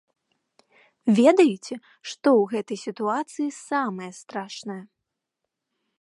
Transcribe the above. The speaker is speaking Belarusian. Ведаеце, што ў гэтай сітуацыі самае страшнае?